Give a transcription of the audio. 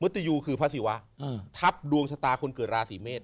ตยูคือพระศิวะทับดวงชะตาคนเกิดราศีเมษ